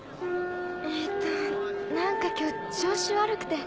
えっと何か今日調子悪くて。